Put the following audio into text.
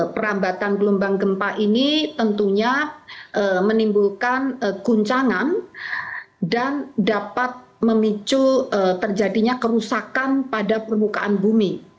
perambatan gelombang gempa ini tentunya menimbulkan guncangan dan dapat memicu terjadinya kerusakan pada permukaan bumi